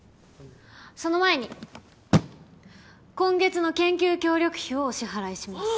その前に今月の研究協力費をお支払いします。